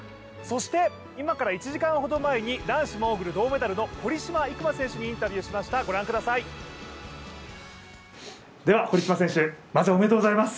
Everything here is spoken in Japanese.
そして今から１時間ほど前に男子モーグル銅メダルの堀島行真選手にインタビューしました、御覧ください。